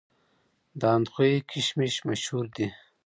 د اندخوی کشمش مشهور دي